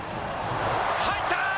入った！